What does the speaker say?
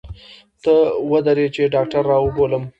ته ودرې چې ډاکتر راوبولم.